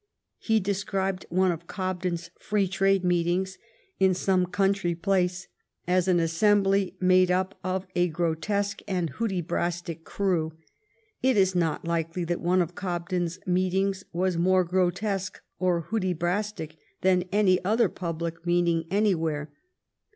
He described one of Cobden's free trade meetings in some countiy place as an assembly made up of "a grotesque and Hudibrastic crew." It is not likely that one of Cobden's meetings was more grotesque or Hudi brastic than any other public meeting any where.